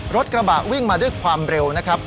รถกระบะวิ่งมาด้วยความเร็วนะครับ